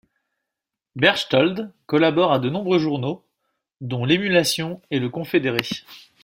Berchtold collabore à de nombreux journaux, dont L’Emulation et Le Confédéré.